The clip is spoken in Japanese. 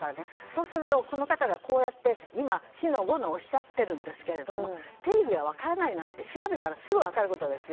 そうすると、この方がこうやって今、四の五のおっしゃっているんですが定義が分からないなんて調べたらすぐ分かることです。